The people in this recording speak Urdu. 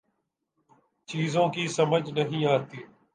چیزوں کی سمجھ نہیں آتی